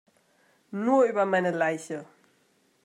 Nur über meine Leiche!